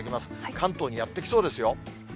関東にやって来そうですよ。